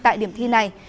tại điểm thi này